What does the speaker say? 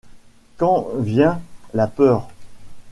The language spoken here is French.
Quand vient la peur...